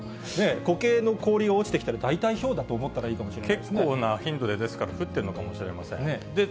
固形の氷が落ちてきたら、大体ひょうだと思ったらいいかもしれな結構な頻度で、ですから降ってるのかもしれません。